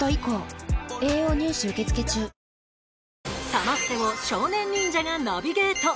サマステを少年忍者がナビゲート。